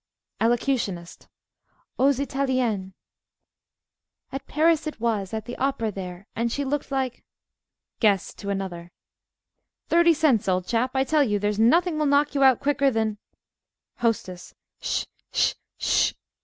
ELOCUTIONIST Aux Italiens. "At Paris it was, at the opera there, And she looked like " GUEST (to another) Thirty cents, old chap! I tell you, there's nothing will knock you out quicker than HOSTESS 'Sh, 'sh, 'sh!